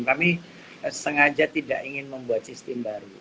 kami sengaja tidak ingin membuat sistem baru